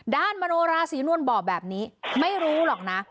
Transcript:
ด้านโนมโนราศีลนวลบ่อแบบนี้ไม่รู้หรอกนะ